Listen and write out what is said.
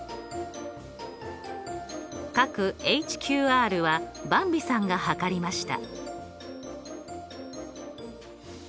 角ＨＱＲはばんびさんが測りました。